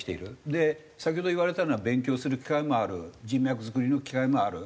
で先ほど言われたのは勉強する機会もある人脈作りの機会もある。